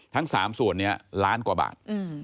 ทั้ง๓ส่วนนี้ล้านกว่าบาท